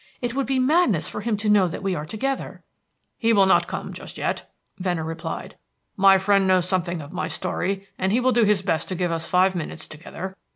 It would be madness for him to know that we are together." "He will not come just yet," Venner replied. "My friend knows something of my story, and he will do his best to get us five minutes together.